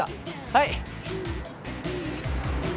はい。